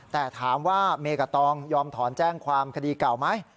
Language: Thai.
แต่ถามว่าเมกับตองยอมถอนแจ้งความคดีเก่าไหม